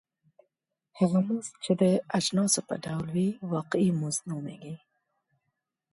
هغه مزد چې د اجناسو په ډول وي واقعي مزد نومېږي